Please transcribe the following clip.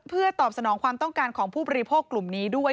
เพื่อตอบสนองความต้องการของผู้บริโภคกลุ่มนี้ด้วย